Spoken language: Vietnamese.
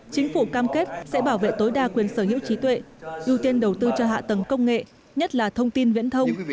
chính phủ cam kết sẽ bảo vệ tối đa quyền sở hữu trí tuệ ưu tiên đầu tư cho hạ tầng công nghệ nhất là thông tin viễn thông